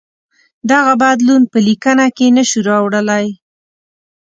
دغه بدلون په لیکنه کې نه شو راوړلای.